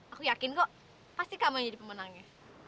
aku yakin kok pasti kamu jadi pemenangnya